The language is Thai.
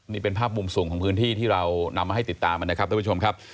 นี่เป็นภาพมุมสูงของพื้นที่ที่เรานำมาให้ติดตามนะครับท่านผู้ชมครับ